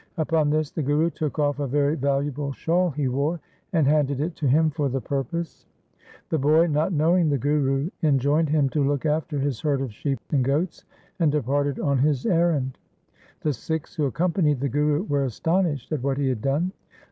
Upon this the Guru took off a very valuable shawl he wore, and handed it to him for the purpose. The boy, not knowing the Guru, enjoined him to look after his herd of sheep and goats, and departed on his errand. The Sikhs who accompanied the Guru were astonished at what he had done.